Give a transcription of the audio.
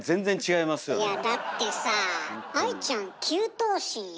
いやだってさあ愛ちゃん９頭身よ？